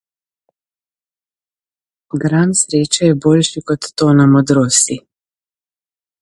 Gram sreče je boljši kot tona modrosti.